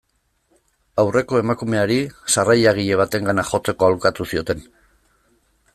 Aurreko emakumeari, sarrailagile batengana jotzeko aholkatu zioten.